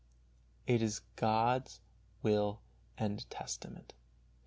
It is God's will and testament.